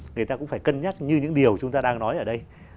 người ta cũng phải cân nhắc như những điều chúng ta đang nói ở đây